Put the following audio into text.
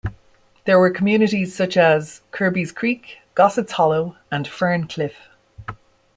There were communities such as Kirby's Creek, Gossets Hollow, and Fern Cliff.